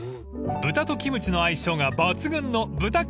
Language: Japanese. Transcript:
［豚とキムチの相性が抜群の］